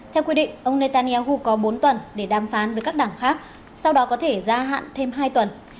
theo quy định ông netanyahu có bốn tuần để đàm phán với các đảng khác sau đó có thể gia hạn thêm hai tuần